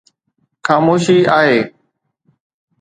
خاموشي آهي.